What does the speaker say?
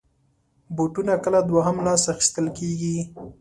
بوټونه کله دوهم لاس اخېستل کېږي.